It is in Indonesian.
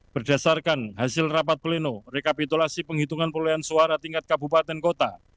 berdasarkan hasil rapat pleno rekapitulasi penghitungan perolehan suara tingkat kabupaten kota